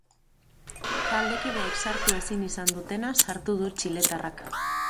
Taldekideek sartu ezin izan dutena sartu du txiletarrak.